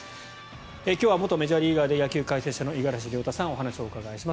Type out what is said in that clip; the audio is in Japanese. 今日は元メジャーリーガーで野球解説者の五十嵐亮太さんにお話をお伺いします。